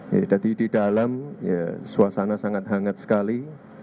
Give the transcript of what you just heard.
jadi di dalam suasana sangat hangat sekali